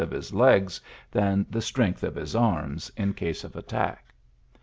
of his legs than the strength of his arms in case of attack.